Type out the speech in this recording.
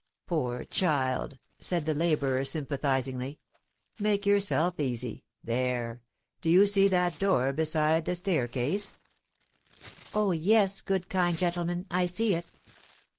"Poor child!" said the labourer, sympathisingly; "make yourself easy. There, do you see that door beside the staircase?" "Oh, yes, good, kind gentleman; I see it."